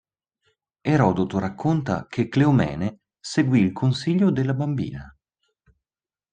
Erodoto racconta che Cleomene seguì il consiglio della bambina.